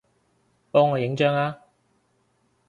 幫我影張吖